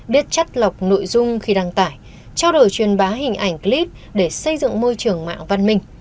biết chất lọc nội dung khi đăng tải trao đổi truyền bá hình ảnh clip để xây dựng môi trường mạng văn minh